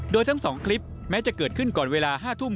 โดยทั้ง๒คลิปแม้จะเกิดขึ้นก่อนเวลา๕ทุ่ม